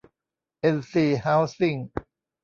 เอ็น ซี เฮ้าส์ซิ่ง